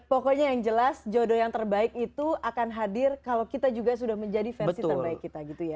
pokoknya yang jelas jodoh yang terbaik itu akan hadir kalau kita juga sudah menjadi versi terbaik kita gitu ya